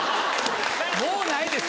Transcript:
もうないです